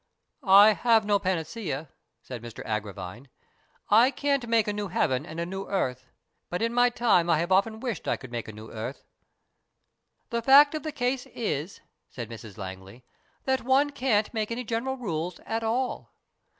" I have no panacea," said Mr Agravine. " I can't make a new heaven and a new earth. But in my time I have often wished I could make a new earth." "The fact of the case is," said Mrs Langley, " that one can't make any general rules at all.